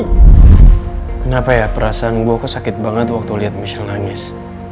kenapa ya perasaan gue kok sakit banget waktu lihat mussion nangis